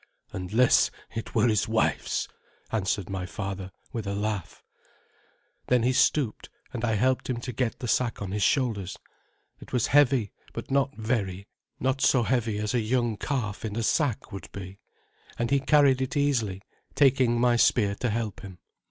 "Unless it were his wife's," answered my father, with a laugh. Then he stooped, and I helped him to get the sack on his shoulders. It was heavy, but not very not so heavy as a young calf in a sack would be; and he carried it easily, taking my spear to help him.